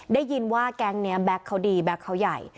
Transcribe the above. ได้ยินว่าแก๊งนี้แบ็คเขาดีแก๊กเขาใหญ่